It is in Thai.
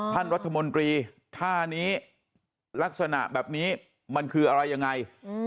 ท่านรัฐมนตรีท่านี้ลักษณะแบบนี้มันคืออะไรยังไง